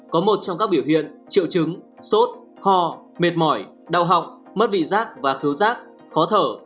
có một trong các biểu hiện triệu chứng sốt ho mệt mỏi đau họng mất vị giác và thiếu rác khó thở